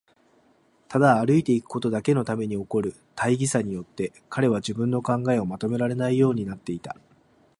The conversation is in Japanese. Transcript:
ただ歩いていくことだけのために起こる大儀さによって、彼は自分の考えをまとめられないようになっていた。